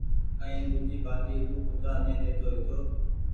ائين ۮوجي ٻآٽي او ڪترآ ني ڏيتو هيتو